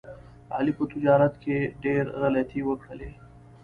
علي په تجارت کې ډېر غلطۍ وکړلې.